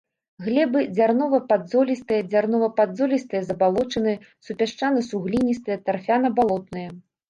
Глебы дзярнова-падзолістыя, дзярнова-падзолістыя забалочаныя, супясчана-сугліністыя, тарфяна-балотныя.